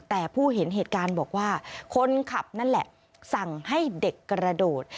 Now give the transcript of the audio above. แต่ผู้เห็นเหตุการณ์บอกว่าคนขับนั่นแหละสั่งให้เด็กกระโดด